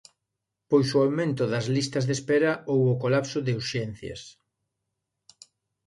Pois o aumento das listas de espera ou o colapso de Urxencias.